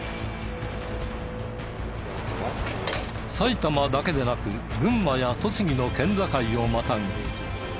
埼玉だけでなく群馬や栃木の県境をまたぎ